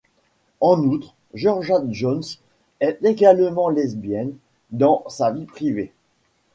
En outre Georgia Jones est également lesbienne dans sa vie privée.